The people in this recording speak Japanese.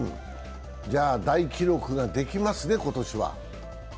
じゃあ、大記録ができますね今年は。